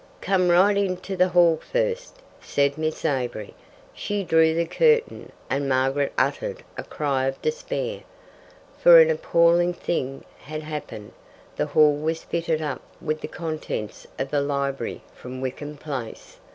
"Come right into the hall first," said Miss Avery. She drew the curtain, and Margaret uttered a cry of despair. For an appalling thing had happened. The hall was fitted up with the contents of the library from Wickham Place.